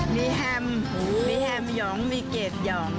มีแฮมมีแฮมหยองมีเกรดหยอง